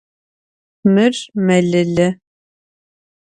Mır melılı.